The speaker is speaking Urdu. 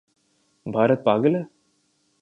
بھارت پاگل ہے؟